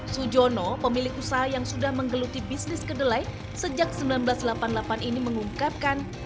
sujono pemilik usaha yang sudah menggeluti bisnis kedelai sejak seribu sembilan ratus delapan puluh delapan ini mengungkapkan